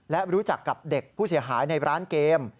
และรู้จักกับเด็กผู้เสียหายในร้านเกม